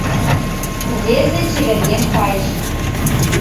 Рвезе чеверген кайыш: